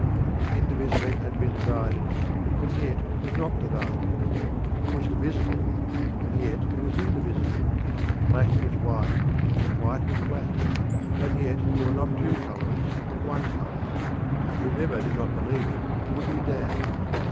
The indivisible had been divided and yet was not divided: it was divisible and yet it was indivisible; black was white and white was black, and yet there were not two colours, but one colour; and whoever did not believe it would be damned.